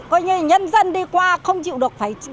coi như nhân dân đi qua không chịu được